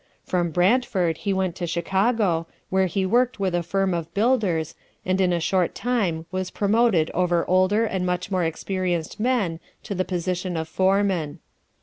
From Brantford he went to Chicago, where he worked with a firm of builders, and in a short time was promoted over older and much more experienced men to the position of foreman.